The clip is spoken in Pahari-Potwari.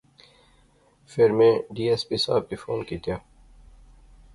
فیر میں ڈی ایس پی صاحب کی فون کیتیا